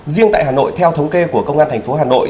riêng tại hà nội theo thống kê của công an thành phố hà nội